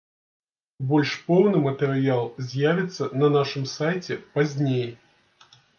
Больш поўны матэрыял з'явіцца на нашым сайце пазней.